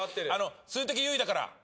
数的優位だから。